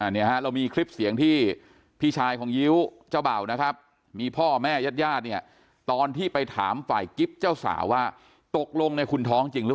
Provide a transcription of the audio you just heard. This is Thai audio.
เรามีคลิปเสียงพี่ชายของยิ้วเจ้าบ่าวนะครับมีพ่อแม่ยืดญาต์ตอนที่ไปถามฝ่ายทริปเจ้าสาวว่าตกลงในคุณท้องจริงรึ